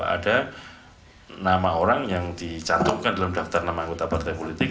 ada nama orang yang dicantumkan dalam daftar nama anggota partai politik